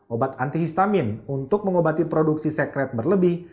obat antihistamin untuk mengobati produksi sekret berlebih